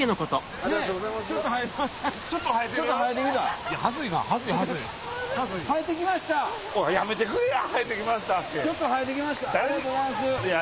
ありがとうございます。